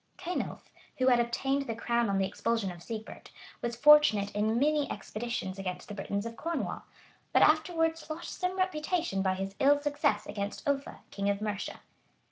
[*] Cenulph, who had obtained the crown on the expulsion of Sigebert, was fortunate in many expeditions against the Britons of Cornwall; but afterwards lost some reputation by his ill success against Offa, king of Mercia.